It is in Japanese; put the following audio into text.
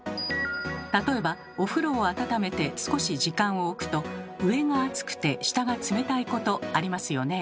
例えばお風呂を温めて少し時間を置くと上が熱くて下が冷たいことありますよね？